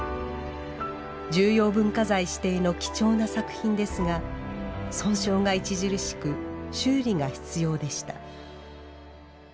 重要文化財指定の貴重な作品ですが損傷が著しく修理が必要でした。